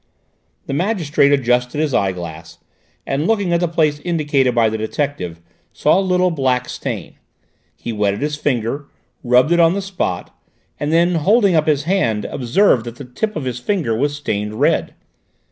The magistrate adjusted his eyeglass and, looking at the place indicated by the detective, saw a little black stain; he wetted his finger, rubbed it on the spot, and then, holding up his hand, observed that the tip of his finger was stained red.